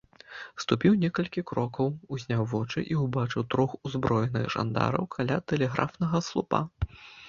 Ступіў некалькі крокаў, узняў вочы і ўбачыў трох узброеных жандараў каля тэлеграфнага слупа.